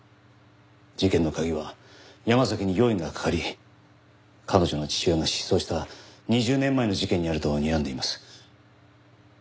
事件の鍵は山崎に容疑がかかり彼女の父親が失踪した２０年前の事件にあるとにらんでいます。